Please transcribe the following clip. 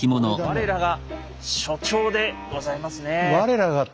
我らが所長でございますねえ。